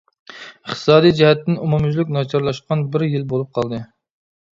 ئىقتىسادىي جەھەتتىن ئومۇميۈزلۈك ناچارلاشقان بىر يىل بولۇپ قالدى.